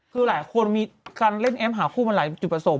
คือหลายคนมีการเล่นแอปหาคู่มาหลายจุดประสงค